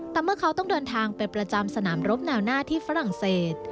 แต่เมื่อเขาต้องเดินทางไปประจำสนามรบแนวหน้าที่ฝรั่งเศส